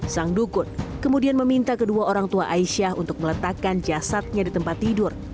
sang dukun kemudian meminta kedua orang tua aisyah untuk meletakkan jasadnya di tempat tidur